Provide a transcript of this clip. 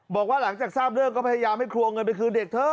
บอกว่าหลังจากทราบเรื่องก็พยายามให้ครัวเงินไปคืนเด็กเถอะ